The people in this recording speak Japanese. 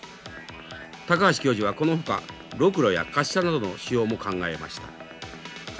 高橋教授はこのほかロクロや滑車などの使用も考えました。